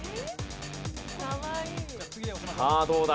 さあどうだ？